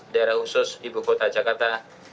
daerah khusus ibu kota jakarta